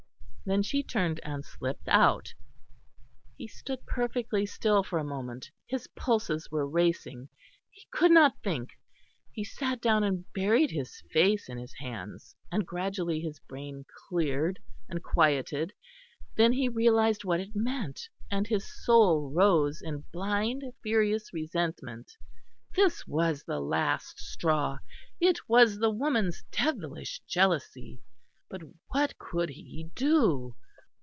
Then she turned and slipped out. He stood perfectly still for a moment; his pulses were racing; he could not think. He sat down and buried his face in his hands; and gradually his brain cleared and quieted. Then he realised what it meant, and his soul rose in blind furious resentment. This was the last straw; it was the woman's devilish jealousy. But what could he do?